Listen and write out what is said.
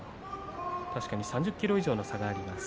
３０ｋｇ以上の差があります。